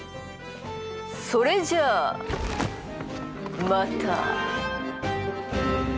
それじゃあまた！